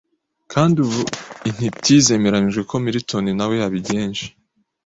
kandi ubu intiti zemeranijwe ko Milton na we yabigenje